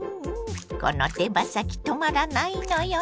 この手羽先止まらないのよね。